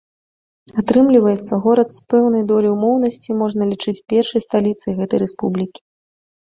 Атрымліваецца, горад з пэўнай доляй умоўнасці можна лічыць першай сталіцай гэтай рэспублікі.